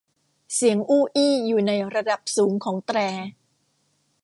เสียงอู้อี้อยู่ในระดับสูงของแตร